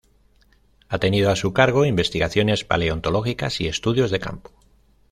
Ha tenido a su cargo investigaciones paleontológicas y estudios de campo.